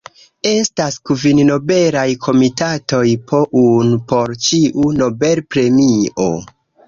Estas kvin Nobelaj Komitatoj, po unu por ĉiu Nobel-premio.